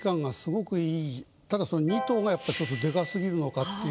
このただその「二塔」がやっぱちょっとでかすぎるのかっていう。